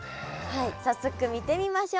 早速見てみましょう。